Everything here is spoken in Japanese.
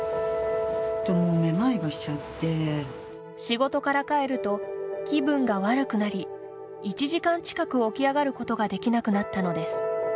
仕事から帰ると気分が悪くなり１時間近く起き上がることができなくなったのです。